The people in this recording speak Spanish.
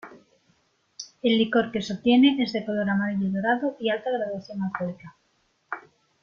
El licor que se obtiene es de color amarillo dorado y alta graduación alcohólica.